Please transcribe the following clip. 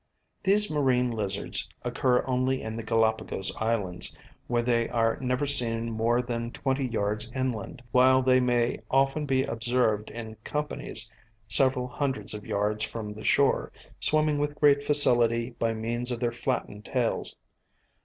These marine lizards occur only in the Galapagos Islands, where they are never seen more than 20 yds. inland, while they may often be observed in companies several hundreds of yards from the shore, swimming with great facility by means of their flattened tails.